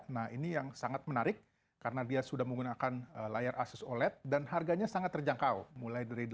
nah ini yang sangat menarik karena dia sudah menggunakan layar asus oled dan harganya sangat terjangkau mulai dari delapan